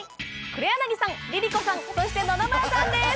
黒柳さんＬｉＬｉＣｏさんそして野々村さんです